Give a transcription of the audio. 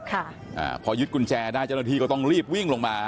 อ่าพอยึดกุญแจได้เจ้าหน้าที่ก็ต้องรีบวิ่งลงมา